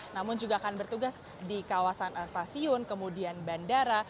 namun juga akan bertugas di kawasan stasiun kemudian bandara